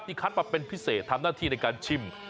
คัดมาเป็นพิเศษทำหน้าที่ในการชิม